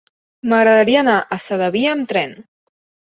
M'agradaria anar a Sedaví amb tren.